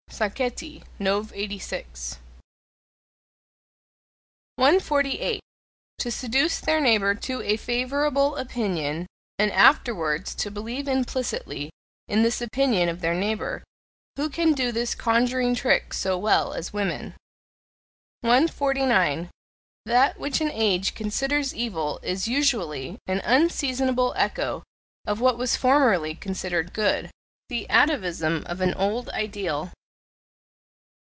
Sacchetti, Nov. 86. 148. To seduce their neighbour to a favourable opinion, and afterwards to believe implicitly in this opinion of their neighbour who can do this conjuring trick so well as women? 149. That which an age considers evil is usually an unseasonable echo of what was formerly considered good the atavism of an old ideal.